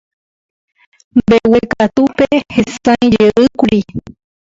Mbeguekatúpe hesãijeýkuri.